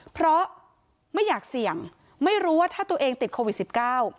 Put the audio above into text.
เพราะไม่อยากเสี่ยงไม่รู้ว่าถ้าตัวเองติดโควิดสิบเก้า